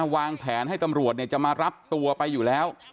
วางแผนให้ตำรวจจะมารับตัวไปอยู่แล้ว